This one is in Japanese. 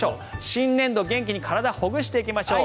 新年度、元気に体をほぐしていきましょう。